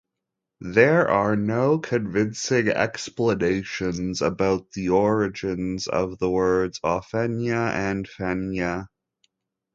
There are no convincing explanations about the origins of the words "ofenya" and "fenya".